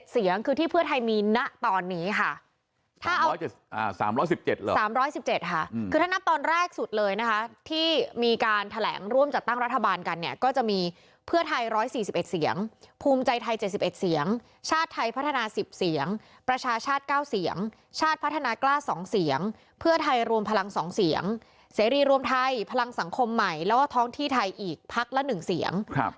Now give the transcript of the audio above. เสียงคือที่เพื่อไทยมีณตอนนี้ค่ะ๓๑๗ค่ะคือถ้านับตอนแรกสุดเลยนะคะที่มีการแถลงร่วมจัดตั้งรัฐบาลกันเนี่ยก็จะมีเพื่อไทย๑๔๑เสียงภูมิใจไทย๗๑เสียงชาติไทยพัฒนา๑๐เสียงประชาชาติ๙เสียงชาติพัฒนากล้า๒เสียงเพื่อไทยรวมพลัง๒เสียงเสรีรวมไทยพลังสังคมใหม่แล้วก็ท้องที่ไทยอีกพักละ๑เสียง